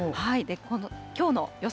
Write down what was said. きょうの予想